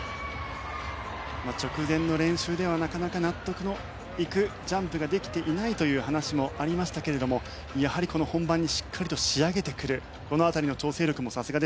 直前の練習ではなかなか納得のいくジャンプができていないという話もありましたけれどもやはりこの本番にしっかりと仕上げてくるこの辺りの調整力もさすがでした。